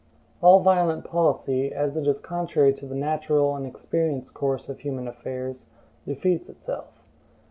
All violent policy, as it is contrary to the natural and experienced course of human affairs, defeats itself.